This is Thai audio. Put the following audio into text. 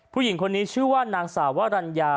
ผู้หญิงคนนี้ชื่อว่านางสาวรัญญา